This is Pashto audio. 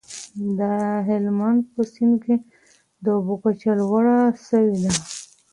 د هلمند په سیند کي د اوبو کچه لوړه سوې ده.